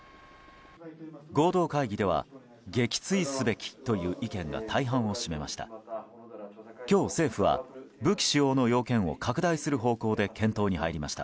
合同会議では撃墜すべきという意見が大半を占めました。